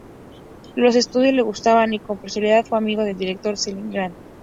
Los estudios le gustaban y con posterioridad fue amigo del director, Cecil Grant.